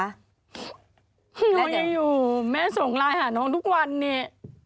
น้องยังอยู่แม่ส่งไลน์หาน้องทุกวันเนี่ย